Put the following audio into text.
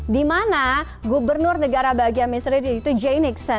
dimana gubernur negara bahagia missouri yaitu jay nixon